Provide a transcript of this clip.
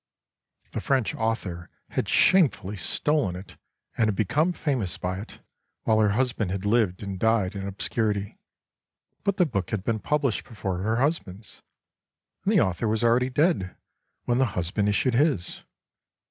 The French author had shamefully stolen it, and had become famous by it, while her husband had lived and died in obscurity. But the book had been published before her husband's, and the author was already dead when the husband issued his.